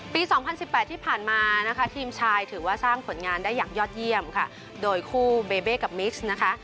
สองพันสิบแปดที่ผ่านมานะคะทีมชายถือว่าสร้างผลงานได้อย่างยอดเยี่ยมค่ะโดยคู่เบเบกับมิกซ์นะคะ